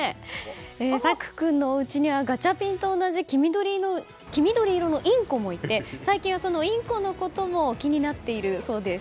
朔君のおうちにはガチャピンと同じ黄緑色のインコもいて最近は、そのインコのことも気になっているそうです。